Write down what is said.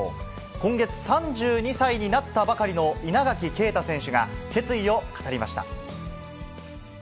今月、３２歳になったばかりの稲垣啓太選手が、決意を語りました。